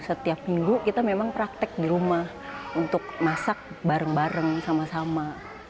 setiap minggu kita memang praktek di rumah untuk masak bareng bareng sama sama